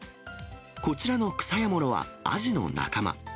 こちらのクサヤモロはアジの仲間。